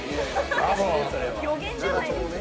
予言じゃないですか。